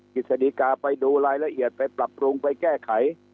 กิจสดีกาไปดูรายละเอียดไปปรับปรุงไปแก้ไข